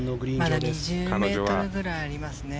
まだ２０ｍぐらいありますね。